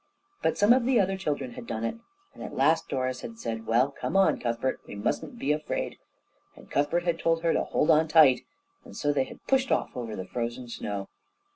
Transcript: But some of the other children had done it, and at last Doris had said, "Well, come on, Cuthbert, we mustn't be afraid," and Cuthbert had told her to hold on tight, and so they had pushed off over the frozen snow.